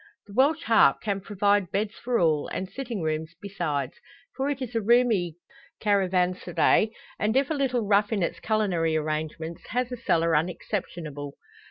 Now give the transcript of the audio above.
The "Welsh Harp" can provide beds for all, and sitting rooms besides. For it is a roomy caravanserai, and if a little rough in its culinary arrangements, has a cellar unexceptionable.